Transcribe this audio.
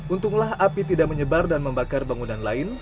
untunglah api tidak menyebar dan membakar bangunan lain